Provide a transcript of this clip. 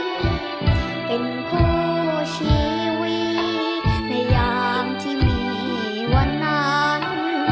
เป็นคู่ชีวิตในยามที่มีวันนั้น